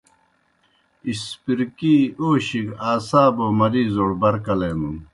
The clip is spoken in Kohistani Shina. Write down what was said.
اسپرکی اوشیْ گہ اعصابو مریضوڑ بر کلینَن۔